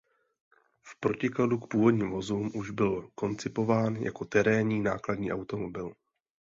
V protikladu k původním vozům už byl koncipován jako terénní nákladní automobil.